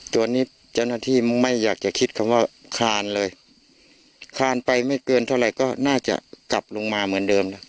ตัวนี้เจ้าหน้าที่ไม่อยากจะคิดคำว่าคานเลยคานไปไม่เกินเท่าไหร่ก็น่าจะกลับลงมาเหมือนเดิมนะ